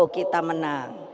kalau kita menang